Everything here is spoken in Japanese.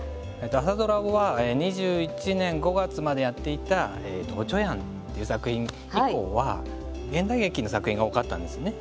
朝ドラは２１年５月までやっていた「おちょやん」っていう作品以降は現代劇の作品が多かったんですね。